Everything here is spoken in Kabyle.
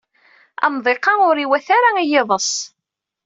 Amḍiq-a ur iwata ara i yiḍes.